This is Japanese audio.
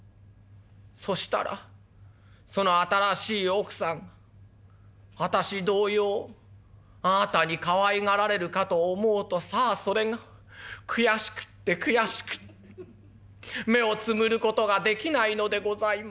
そしたらその新しい奥さんが私同様あなたにかわいがられるかと思うとさあそれが悔しくって悔しくって目をつむる事ができないのでございます」。